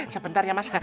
sebentar ya mas